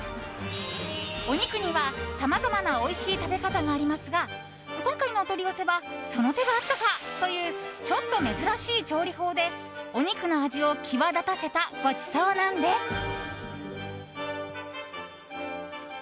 お肉にはさまざまなおいしい食べ方がありますが今回のお取り寄せはその手があったかというちょっと珍しい調理法でお肉の味を際立たせたごちそうなのです。